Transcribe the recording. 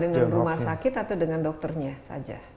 dengan rumah sakit atau dengan dokternya saja